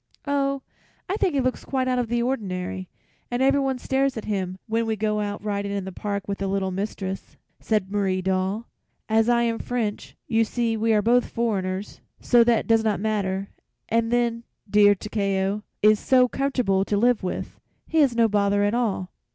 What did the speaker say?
"Oh, I think he looks quite out of the ordinary, and everyone stares at him when we go out riding in the park with the little mistress," said Marie Doll. "As I am French, you see we both are foreigners, so that does not matter; and then, dear, Takeo is so comfortable to live with. He is no bother at all."